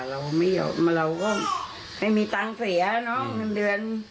เราก็ไม่มีตังค์เสียเนาะเงินเดือน